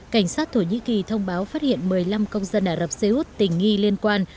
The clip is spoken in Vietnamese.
cảnh sát thổ nhĩ kỳ thông báo phát hiện một mươi năm công dân ả rập xê út tình nghi liên quan